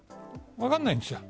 分からないんですよ。